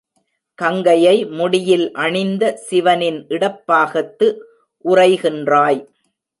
கங்கையை முடியில் அணிந்த சிவனின் இடப்பாகத்து உறைகின்றாய்.